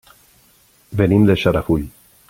Venim de Xarafull.